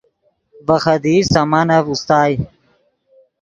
ڤے خدیئی سامانف اوستائے